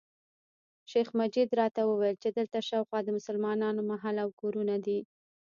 شیخ مجید راته وویل چې دلته شاوخوا د مسلمانانو محله او کورونه دي.